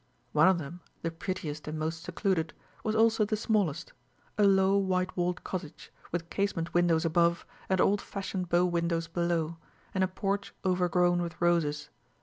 One of them, the prettiest and most secluded, was also the smallest; a low white walled cottage, with casement windows above, and old fashioned bow windows below, and a porch overgrown with roses.